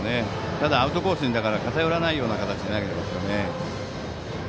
ただ、アウトコースに偏らない形で投げてますよね。